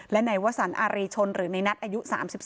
และนายวสันอารีชนหรือในนัทอายุ๓๒